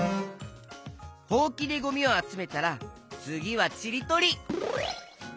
ほうきでゴミをあつめたらつぎはちりとり！